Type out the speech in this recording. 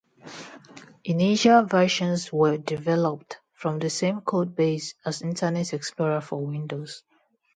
Initial versions were developed from the same code base as Internet Explorer for Windows.